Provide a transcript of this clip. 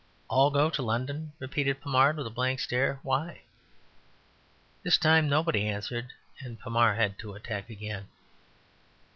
"All go to London?" repeated Pommard, with a blank stare. "Why?" This time nobody answered, and Pommard had to attack again.